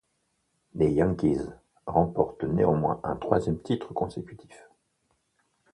Les Yankees remportent néanmoins un troisième titre consécutif.